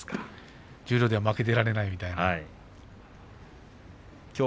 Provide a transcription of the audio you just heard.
十両では負けていられないという。